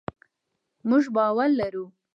مونږ باور لرو